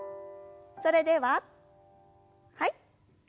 それでははい。